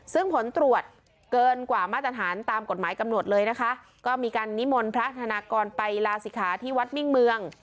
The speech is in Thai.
ซึ่งผลตรวจเกินกว่ามาตรฐานตามกฎหมายกำหนดเลยนะคะก็มีการนิมนต์พระธนากรไปลาศิกขาที่วัดมิ่งเมือง